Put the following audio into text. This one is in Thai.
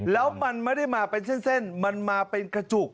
แล้วมันไม่ได้มาเป็นเส้นมันมาเป็นกระจุก